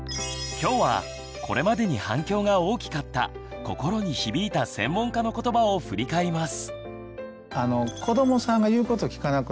今日はこれまでに反響が大きかった心に響いた専門家のことばを振り返ります。